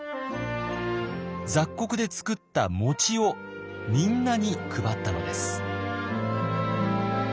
雑穀で作ったもちをみんなに配ったのです。